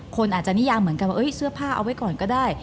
คนอาจจะนิยามเหมือนกันว่าเสื้อผ้าเอาไว้ก่อนก็ได้